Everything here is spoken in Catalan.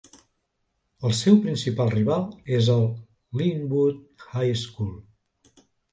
El seu principal rival és el Lynwood High School.